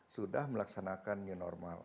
sudah melaksanakan new normal